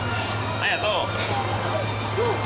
ありがとう。